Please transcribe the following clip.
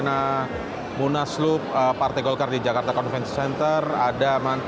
satu saja saya ini selalu berdoa yang penting selamat